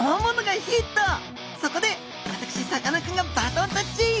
そこで私さかなクンがバトンタッチ！